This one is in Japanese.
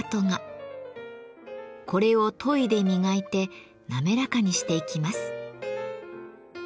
これを研いで磨いて滑らかにしていきます。